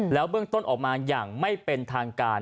เบื้องต้นออกมาอย่างไม่เป็นทางการ